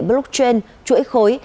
blockchain chuỗi khối